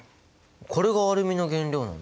これがアルミの原料なの？